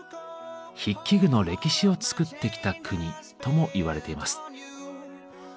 筆記具の歴史を作ってきた国ともいわれています。